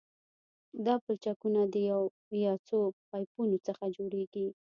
دا پلچکونه د یو یا څو پایپونو څخه جوړیږي